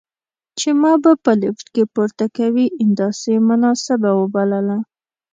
چې ما به په لفټ کې پورته کوي، داسې یې مناسب وبلله.